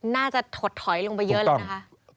น่าจะถดถอยลงไปเยอะแล้วนะคะ